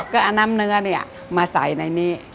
ก็อันน้ำเนื้อเนี่ยมาใส่ในนี้